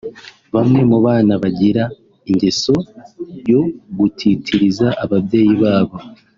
Bamwe mu bana bagira ingeso yo gutitiririza ababyeyi babo